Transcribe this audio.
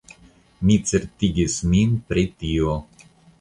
Mi certigis min pri tio.